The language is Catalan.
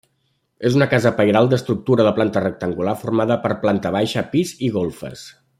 És una casa pairal d'estructura de planta rectangular formada per planta baixa, pis i golfes.